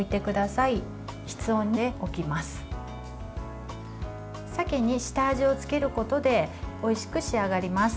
さけに下味をつけることでおいしく仕上がります。